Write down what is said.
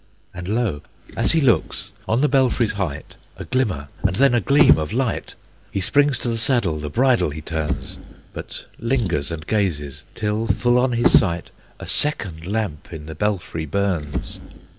And lo! as he looks, on the belfry's height A glimmer, and then a gleam of light! He springs to the saddle, the bridle he turns, But lingers and gazes, till full on his sight A second lamp in the belfry burns!